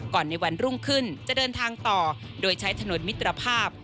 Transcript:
ในวันรุ่งขึ้นจะเดินทางต่อโดยใช้ถนนมิตรภาพ